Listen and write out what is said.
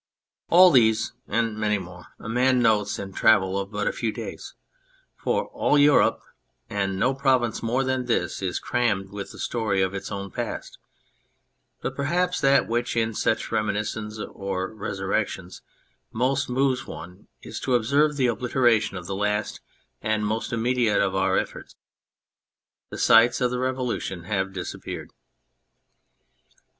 All these, and many more, a man notes in a travel of but few days, for all Europe and no province more than this is crammed with the story of its own past ; but perhaps that which, in such reminis cences or resurrections, most moves one is to observe the obliteration of the last and most immediate of our efforts. The sites of the Revolution have disappeared.